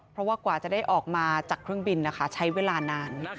เพราะว่ากว่าจะได้ออกมาจากเครื่องบินนะคะใช้เวลานาน